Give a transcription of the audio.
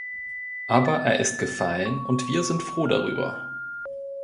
Aber er ist gefallen, und wir sind froh darüber!